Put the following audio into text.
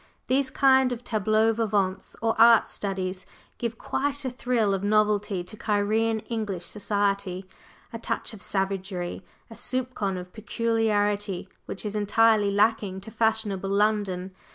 These kind of "tableaux vivants" or "art studies" give quite a thrill of novelty to Cairene English Society, a touch of savagery, a soupçon of peculiarity which is entirely lacking to fashionable London.